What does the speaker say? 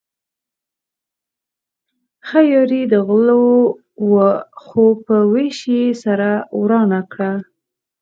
ښه یاري د غلو وه خو په وېش يې سره ورانه کړه.